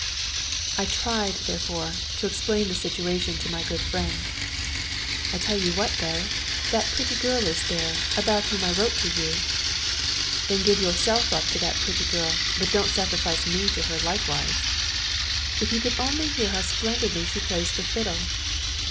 I tried, therefore, to explain the situation to my good friend. "I tell you what, though; that pretty girl is there about whom I wrote to you." "Then give yourself up to that pretty girl, but don't sacrifice me to her likewise." "If you could only hear how splendidly she plays the fiddle."